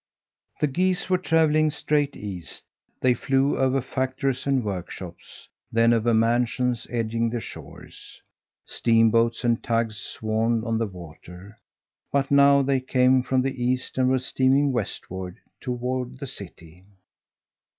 The geese were travelling straight east. They flew over factories and workshops; then over mansions edging the shores. Steamboats and tugs swarmed on the water; but now they came from the east and were steaming westward toward the city.